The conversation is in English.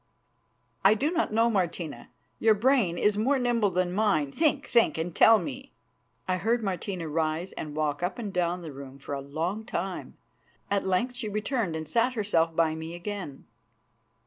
"I do not know, Martina. Your brain is more nimble than mine; think, think, and tell me." I heard Martina rise and walk up and down the room for a long time. At length she returned and sat herself by me again.